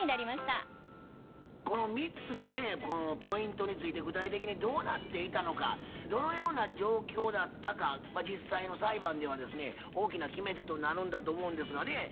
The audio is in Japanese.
ポイントについて具体的にどうなっていたのかどのような状況だったか実際の裁判ではですね大きな決め手となるんだと思うんですがね